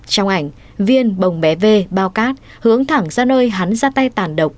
trong ảnh viên bồng bé v bao cát hướng thẳng ra nơi hắn ra tay tàn độc